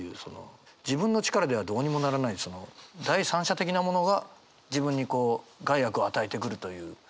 自分の力ではどうにもならない第三者的なものが自分にこう害悪を与えてくるという。